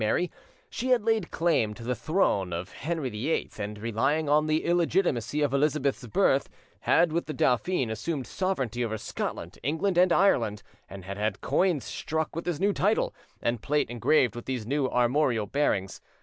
Mary, she had laid claim to the throne of Henry VIII, and, relying on the illegitimacy of Elizabeth's birth, had with the dauphin assumed sovereignty over Scotland, England, and Ireland, and had had coins struck with this new title, and plate engraved with these new armorial bearings.